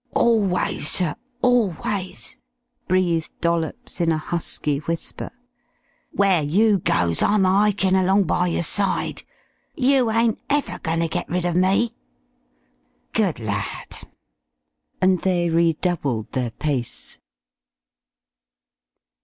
"Orlways, sir orlways," breathed Dollops, in a husky whisper. "Where you goes, I'm a hikin' along by yer side. You ain't ever going ter get rid of me." "Good lad!" and they redoubled their pace.